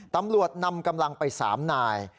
ตำรวจนำกำลังไป๓นาย